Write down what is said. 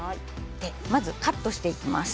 まずカットしていきます。